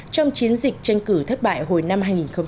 trong chiến dịch tranh cử thất bại hồi năm hai nghìn một mươi